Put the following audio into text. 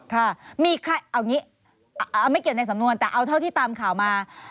ค่ะเอาไม่เกี่ยวในสำนวนแต่เอาเท่าที่ตามข่าวมา